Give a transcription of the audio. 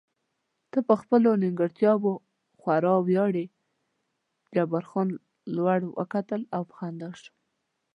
ته په خپلو نیمګړتیاوو خورا ویاړې، جبار خان لوړ وکتل او په خندا شو.